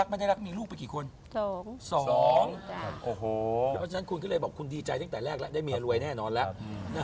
เสียชีวิตไปตอนไหนครับ